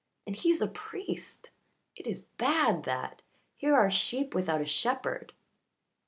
"And he is a priest. It is bad, that. Here are sheep without a shepherd."